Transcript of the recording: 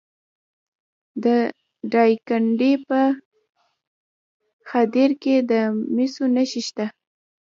د دایکنډي په خدیر کې د مسو نښې شته.